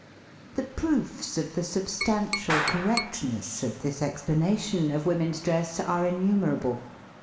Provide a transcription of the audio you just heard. The proofs of the substantial correctness of this explanation of women's dress are innumer able.